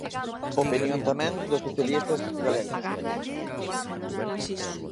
Opinión tamén dos socialistas galegos.